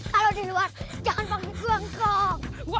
kalau di luar jangan panggil gue kong